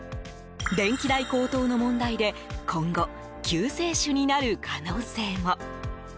電気代高騰の問題で今後、救世主になる可能性も。